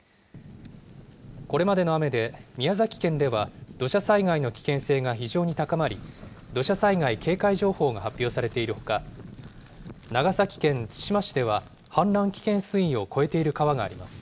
これまでの雨で宮崎県では土砂災害の危険性が非常に高まり、土砂災害警戒情報が発表されているほか、長崎県対馬市では氾濫危険水位を超えている川があります。